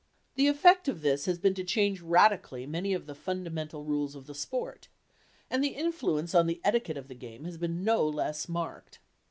The effect of this has been to change radically many of the fundamental rules of the sport, and the influence on the etiquette of the game has been no less marked.